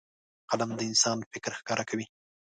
قلم د انسان فکر ښکاره کوي